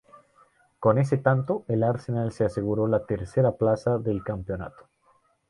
Con ese tanto, el Arsenal se aseguró la tercera plaza del campeonato.